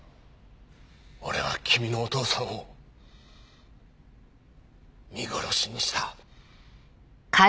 俺は君のお父さんを見殺しにした。